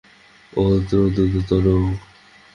ও তো দ্রুততরও!